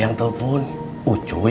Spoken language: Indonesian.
jangan lagi file gam captured